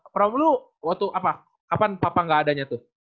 probe lu waktu apa kapan papa nggak adanya tuh